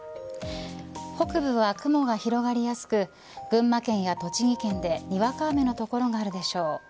北部は雲が広がりやすく群馬県や栃木県でにわか雨の所があるでしょう。